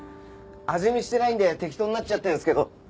味見してないんで適当になっちゃってるんすけど。